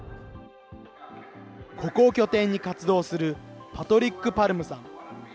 ここを拠点に活動する、パトリック・パルムさん。